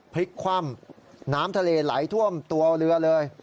พลิกคว่ำน้ำทะเลไหลท่วมตัวเรือเลย